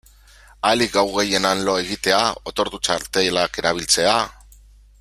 Ahalik gau gehien han lo egitea, otordu-txartelak erabiltzea...